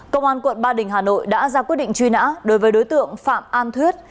công an quận ba đình hà nội đã ra quyết định truy nã đối với đối tượng phạm an thuyết